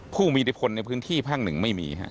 ผู้มีอิทธิพลในพื้นที่ภาคหนึ่งไม่มีครับ